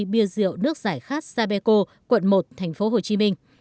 bia rượu nước giải khát sapeco quận một tp hcm